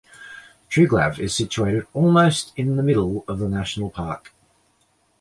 Triglav is situated almost in the middle of the national park.